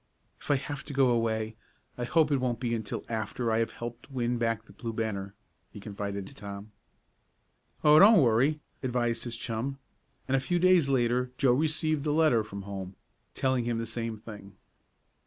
"If I have to go away, I hope it won't be until after I have helped win back the Blue Banner," he confided to Tom. "Oh, don't worry," advised his chum; and a few days later Joe received a letter from home, telling him the same thing.